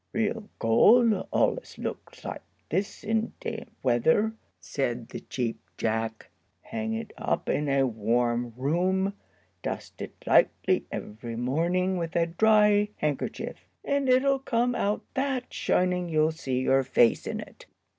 "Real gold allus looks like this in damp weather," said the Cheap Jack. "Hang it up in a warm room, dust it lightly every morning with a dry handkerchief, an' it'll come out that shining you'll see your face in it.